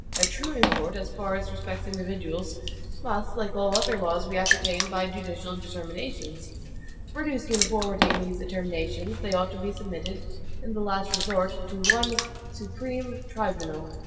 Their true import, as far as respects individuals, must, like all other laws, be ascertained by judicial determinations. To produce uniformity in these determinations, they ought to be submitted, in the last resort, to one SUPREME TRIBUNAL.